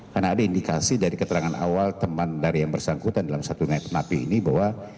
karena ada indikasi dari keterangan awal teman dari yang bersangkutan dalam satu nai penapi ini bahwa